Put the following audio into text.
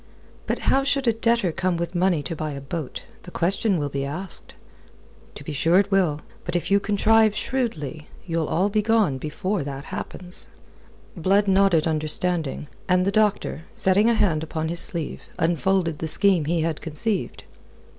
"But how should a debtor come with money to buy a boat? The question will be asked." "To be sure it will. But if you contrive shrewdly, you'll all be gone before that happens." Blood nodded understanding, and the doctor, setting a hand upon his sleeve, unfolded the scheme he had conceived.